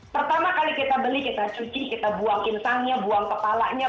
pertama kali kita beli kita cuci kita buang insangnya buang kepalanya